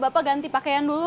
bapak ganti pakaian dulu